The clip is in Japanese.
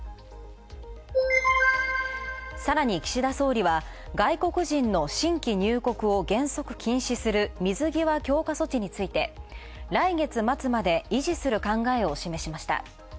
さらに岸田総理は外国人の新規入国を原則禁止する水際強化措置について、来月末まで維持する考えを示しました。